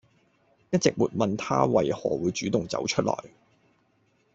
一直沒問他為何會主動走出來